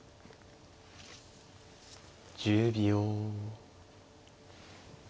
１０秒。